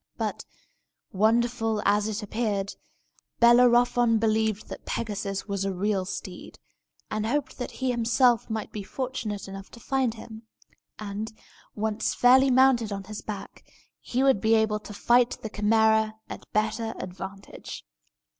But, wonderful as it appeared, Bellerophon believed that Pegasus was a real steed, and hoped that he himself might be fortunate enough to find him; and, once fairly mounted on his back, he would be able to fight the Chimæra at better advantage.